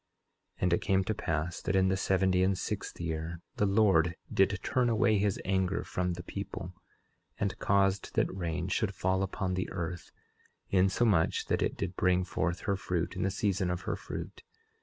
11:17 And it came to pass that in the seventy and sixth year the Lord did turn away his anger from the people, and caused that rain should fall upon the earth, insomuch that it did bring forth her fruit in the season of her fruit.